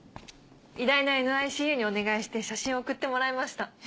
医大のＮＩＣＵにお願いして写真を送ってもらいました。